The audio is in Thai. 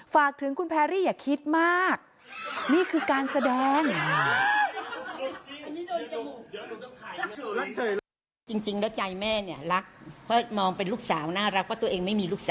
ฝากถึงคุณแพรรี่อย่าคิดมากนี่คือการแสดง